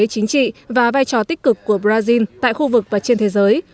chính trị và vai trò tích cực của brazil tại khu vực và trên thế giới